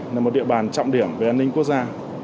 là một địa bàn trọng điểm về an ninh quốc gia